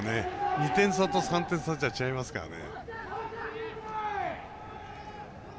２点差と３点差じゃ違いますからね。